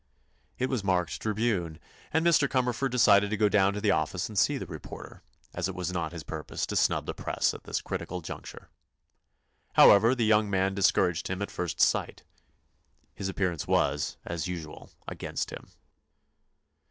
It was marked "Tribune" and Mr. Cumberford decided to go down to the office and see the reporter, as it was not his purpose to snub the press at this critical juncture. However, the young man discouraged him at first sight. His appearance was, as usual, against him.